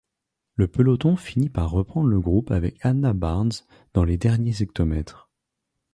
Le peloton finit par reprendre le groupe avec Hannah Barnes dans les derniers hectomètres.